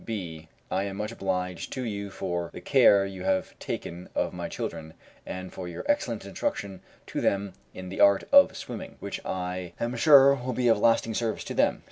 B. I am much obliged to you for the care you have taken of my children, and for your excellent instruction to them in the art of swimming, which I am sure will be of lasting service to them.